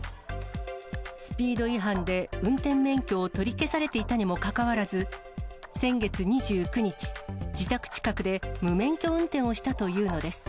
スピード違反で運転免許を取り消されていたにもかかわらず、先月２９日、自宅近くで無免許運転をしたというのです。